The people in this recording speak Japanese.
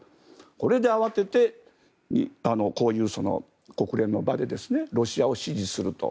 これで慌ててこういう国連の場でロシアを支持すると。